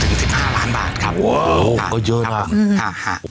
เมื่อกี้ที่พี่หนุ่มเล่าว่าเวลามีผู้เสียชีวิตจากต่างประเทศ